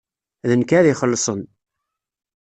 D nekk ad ixellṣen.